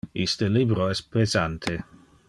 Iste libro es pesante.